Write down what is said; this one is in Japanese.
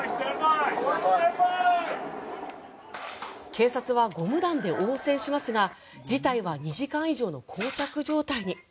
警察はゴム弾で応戦しますが事態は２時間以上のこう着状態に。